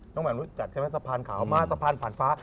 แหม่มรู้จักใช่ไหมสะพานขาวมาสะพานผ่านฟ้า